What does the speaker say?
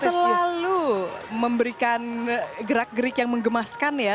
kita selalu memberikan gerak gerik yang mengemaskan ya